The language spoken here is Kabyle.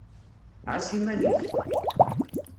Ɛas iman-ik!